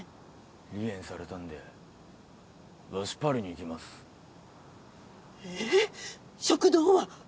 離縁されたんでわしパリに行きますえッ食堂は？